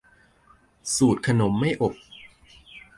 สูตรขนมไม่อบ